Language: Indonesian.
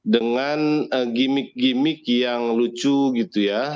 dengan gimik gimik yang lucu gitu ya